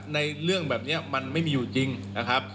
เรื่องแบบนี้มันไม่มีอยู่จริงนะครับ